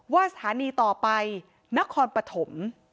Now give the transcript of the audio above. สถานีต่อไปนครปฐม